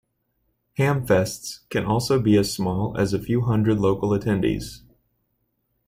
Hamfests can also be as small as a few hundred local attendees.